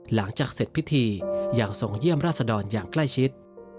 หลังจากเสร็จพิธียังทรงเยี่ยมราชดรอย่างใกล้ชิด